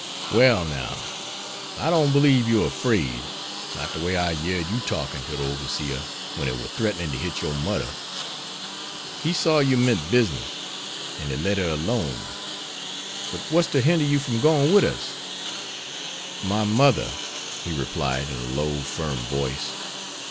"Well, now, I don't belieb you're 'fraid, not de way I yeard you talkin' to de oberseer wen he war threatnin' to hit your mudder. He saw you meant business, an' he let her alone. But, what's to hinder you from gwine wid us?" "My mother," he replied, in a low, firm voice.